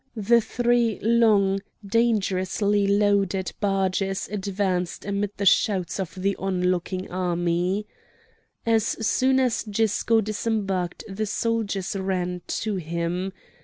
The three long, dangerously loaded barges advanced amid the shouts of the onlooking army. As soon as Gisco disembarked the soldiers ran to him.